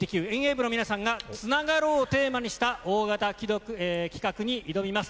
遠泳部の皆さんがつながろうをテーマにした大型企画に挑みます。